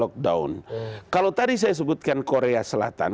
kalau tadi saya sebutkan korea selatan